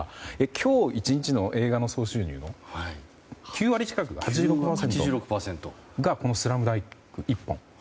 今日１日の映画の総収入の９割近くが、この「ＳＬＡＭＤＵＮＫ」１本。